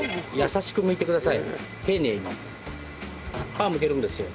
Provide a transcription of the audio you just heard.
皮むけるんですよ。